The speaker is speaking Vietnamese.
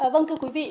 vâng thưa quý vị